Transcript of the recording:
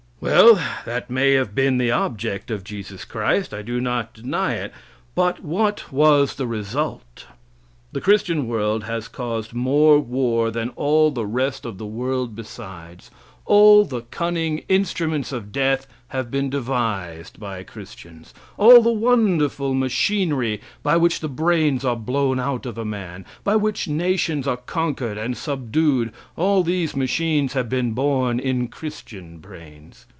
Well, that may have been the object of Jesus Christ. I do not deny it. But what was the result? The Christian world has caused more war than all the rest of the world besides; all the cunning instruments of death have been devised by Christians; all the wonderful machinery by which the brains are blown out of a man, by which nations are conquered and subdued all these machines have been born in Christian brains.